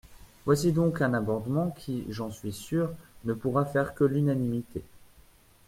Voici donc un amendement qui, j’en suis sûr, ne pourra faire que l’unanimité.